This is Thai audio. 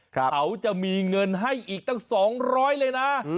เขาจะมีเงินให้อีกตั้ง๒๐๐เลยนะ